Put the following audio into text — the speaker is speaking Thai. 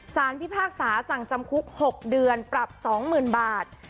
พิพากษาสั่งจำคุก๖เดือนปรับ๒๐๐๐บาท